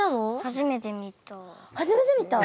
初めて見た？